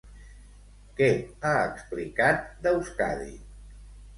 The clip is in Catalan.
Què ha explicat d'Euskadi?